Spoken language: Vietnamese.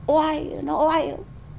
ôi nó oai lắm